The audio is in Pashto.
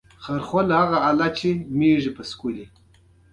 افغانستان د د افغانستان ولايتونه له پلوه له نورو هېوادونو سره اړیکې لري.